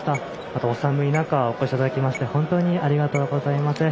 あとお寒い中お越し頂きまして本当にありがとうございます。